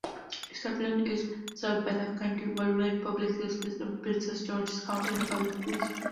Suitland is served by the county-wide public school system, Prince George's County Public Schools.